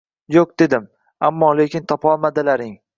— Yo‘q! — dedi. — Ammo-lekin topolmadilaring!